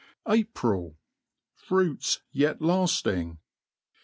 w ApriL — Fruits yet lajling.